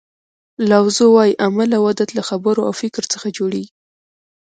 لاو زو وایي عمل او عادت له خبرو او فکر څخه جوړیږي.